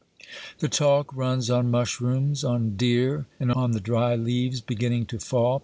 The talk runs on mushrooms, on deer, and on the dry leaves beginning to fall.